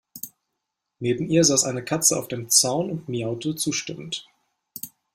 Neben ihr saß eine Katze auf dem Zaun und miaute zustimmend.